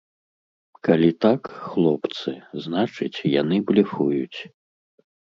Калі так, хлопцы, значыць, яны блефуюць.